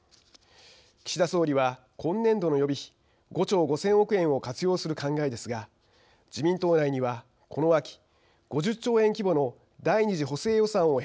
岸田総理は、今年度の予備費５兆５０００億円を活用する考えですが自民党内には、この秋５０兆円規模の第二次補正予算を